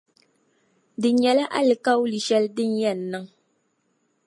Di nyɛla alikauli shεli din yɛn niŋ.